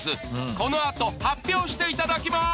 このあと発表していただきます！